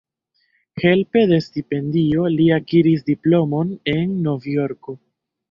Helpe de stipendio li akiris diplomon en Novjorko.